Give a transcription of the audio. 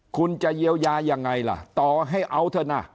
คุณจะเยียวยายังไงล่ะต่อให้เอาเถอะนะ